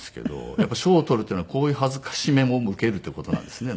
やっぱり賞を取るっていうのはこういう辱めも受けるっていう事なんですね。